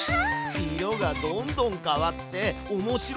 色がどんどん変わっておもしろいね！